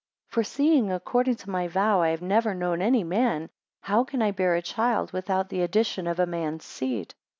For seeing, according to my vow, I have never known any man, how can I bear a child without the addition of a man's seed.